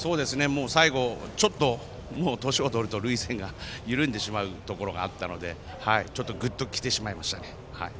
最後、ちょっともう年をとると涙腺が緩んでしまうところがあるのでグッと来てしまいましたね。